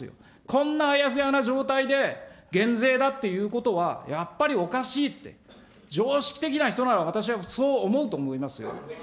こんなあやふやな状態で、減税だって言うことは、やっぱりおかしいって、常識的な人なら私はそう思うと思いますよ。